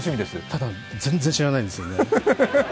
ただ全然知らないんですよね。